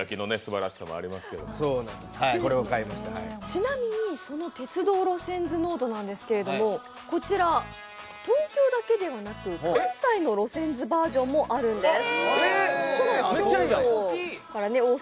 ちなみにその鉄道路線図ノートなんですけれども東京だけではなく関西の路線図バージョンもあるんです。